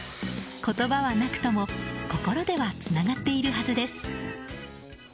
言葉はなくとも心ではつながっているはずです。